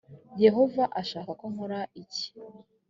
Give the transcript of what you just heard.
yehova ashaka ko nkora iki